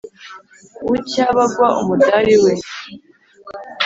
bucya bagwa umudari we.